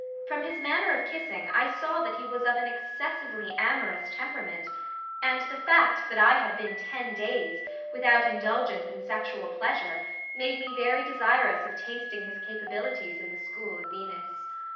From his manner of kissing I saw that he was of an excessively amorous temperament, and the fact that I had been ten days without indulgence in sexual pleasure made me very desirous of tasting his capabilities in the school of Venus.